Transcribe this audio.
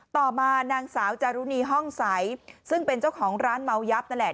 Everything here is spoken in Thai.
ต่อมานางสาวจารุณีห้องใสซึ่งเป็นเจ้าของร้านเมายับนั่นแหละ